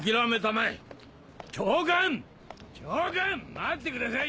待ってください